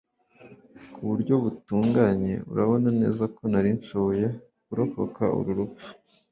ku buryo butunganye urabona neza ko nari nshoboye kurokoka uru rupfu